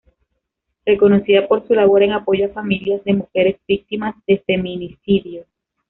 Reconocida por su labor en apoyo a familias de mujeres víctimas de feminicidio.